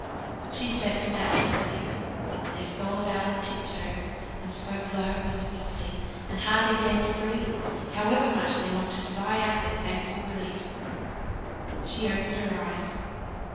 She slept a natural sleep; and they stole about on tip toe, and spoke low, and softly, and hardly dared to breathe, however much they longed to sigh out their thankful relief. She opened her eyes.